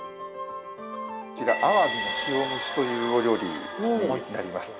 こちら鮑の塩蒸しというお料理になります。